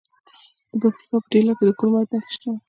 د پکتیکا په دیله کې د کرومایټ نښې شته.